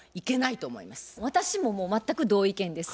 私も全く同意見です。